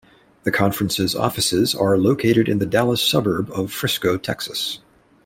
The conference's offices are located in the Dallas suburb of Frisco, Texas.